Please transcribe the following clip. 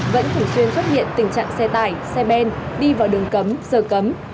vẫn thường xuyên xuất hiện tình trạng xe tải xe bên đi vào đường cấm sở cấm